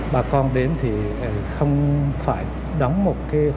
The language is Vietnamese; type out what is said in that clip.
bà con đến thì không phải đón một cái